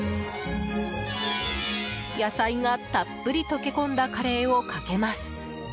野菜がたっぷり溶け込んだカレーをかけます。